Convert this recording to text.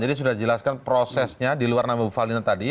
jadi sudah dijelaskan prosesnya di luar nama bufalina tadi